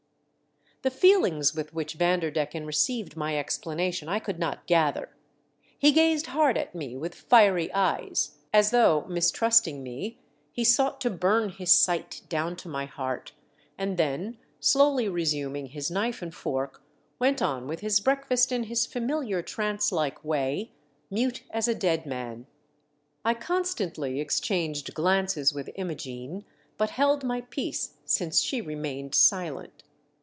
The feelings with which Vanderdecken received my explanation I could not gather. He gazed hard at me with fiery eyes, as 328 THE DEATH SHIP. though, mistrusting me, he sought to burn his sight down to my heart, and then, slowly resuming his knife and fork, went on with his breakfast in his familiar trance like way, mute as a dead man. I constantly exchanged glances with I mo gene, but held my peace since she remained silent.